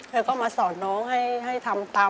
เธอก็มาสอนน้องให้ทำตาม